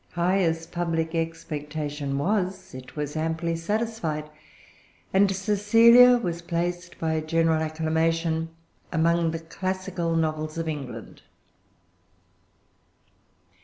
High as public expectation was, it was amply satisfied; and Cecilia was placed, by general acclamation, among the classical novels of England.